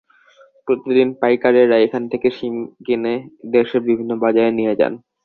প্রতিদিন পাইকারেরা এখান থেকে শিম কিনে দেশের বিভিন্ন বাজারে নিয়ে যান।